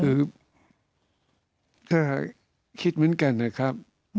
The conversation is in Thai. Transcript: คือถ้าคิดเหมือนกันนะครับ